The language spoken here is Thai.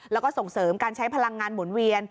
แล้วก็ส่งเสริมการใช้พลังงานหมุนเวียน